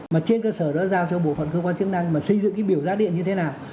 mà trên cơ sở đó giao cho bộ phận cơ quan chức năng mà xây dựng cái biểu giá điện như thế nào